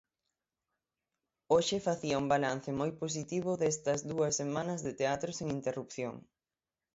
Hoxe facía un balance moi positivo destas dúas semanas de teatro sen interrupción.